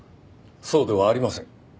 そうではありません。